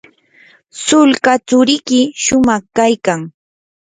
sulka tsurikiy shumaq kaykan.